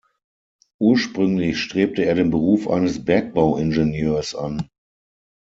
Ursprünglich strebte er den Beruf eines Bergbauingenieurs an.